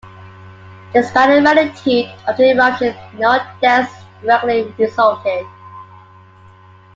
Despite the magnitude of the eruption, no deaths directly resulted.